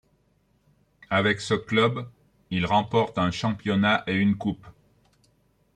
Avec ce club, il remporte un championnat et une coupe.